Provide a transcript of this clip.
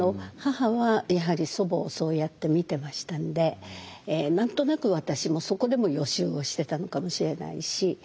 母はやはり祖母をそうやって見てましたんで何となく私もそこでも予習をしてたのかもしれないし。